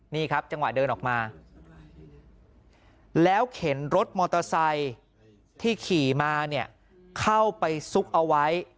นี่ครับจังหวะเดินออกมาแล้วเข็นรถมอเตอร์ไซค์ที่ขี่มาเนี่ยเข้าไปซุกเอาไว้